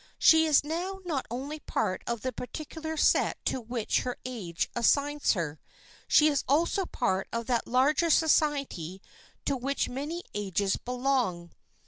She is now not only a part of the particular set to which her age assigns her; she is also a part of that larger society to which many ages belong.